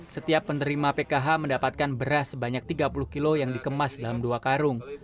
setiap penerima pkh mendapatkan beras sebanyak tiga puluh kilo yang dikemas dalam dua karung